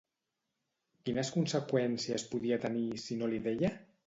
Quines conseqüències podia tenir si no li deia?